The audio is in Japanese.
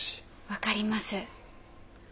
分かります。